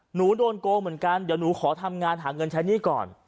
หนูโดนโกงเหมือนกันเดี๋ยวหนูขอทำงานหาเงินใช้หนี้ก่อน